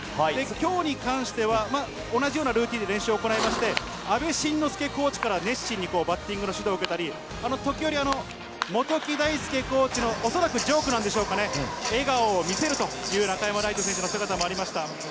きょうに関しては、同じようなルーティーンで練習を行いまして、阿部慎之助コーチから、熱心にバッティングの指導を受けたり、時折、元木だいすけコーチの恐らくジョークなんでしょうかね、笑顔を見せるというような、中山礼都選手の姿もありました。